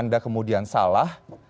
anda kemudian salah